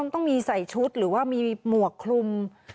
ต้องมีใส่ชุดหรือว่ามีหมวกคลุม